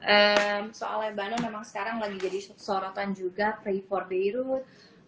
em soal lebanon memang sekarang lagi jadi sorotan juga free for beirut